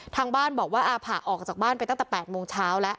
ทางบ้านบอกว่าอาผะออกจากบ้านไปตั้งแต่๘โมงเช้าแล้ว